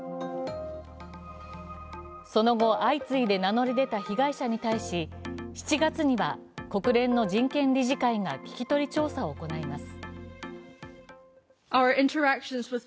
その後、相次いで名乗り出た被害者に対し７月には国連の人権理事会が聞き取り調査を行います。